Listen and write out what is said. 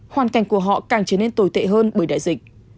hoàn cảnh của họ càng trở nên tồi tệ hơn bởi đại dịch